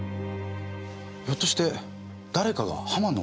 ひょっとして誰かが浜野をたきつけた。